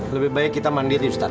lebih baik kita mandiri ustadz